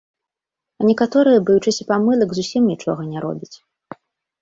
Л некаторыя, баючыся памылак, зусім нічога не робяць.